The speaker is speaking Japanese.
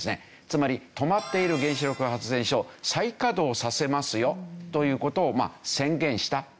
つまり止まっている原子力発電所を再稼働させますよという事を宣言したというわけですね。